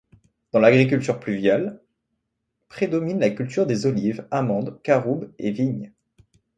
Dans l'agriculture pluviale prédomine la culture des olives, amandes, caroubes et vignes.